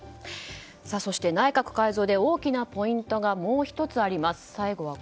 そして内閣改造で大きなポイントがもう１つあります。